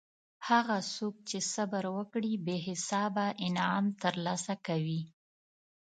هغه څوک چې صبر وکړي بې حسابه انعام ترلاسه کوي.